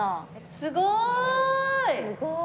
すごい。